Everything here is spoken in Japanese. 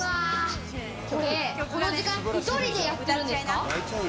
これ、この時間１人でやってるんですか？